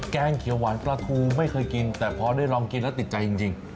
แกงเขียวหวานปลาทูไม่เคยกินแต่พอได้ลองกินแล้วติดใจจริง